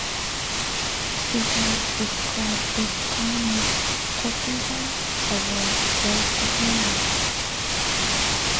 He has described his time at Tottenham as "a waste of my life".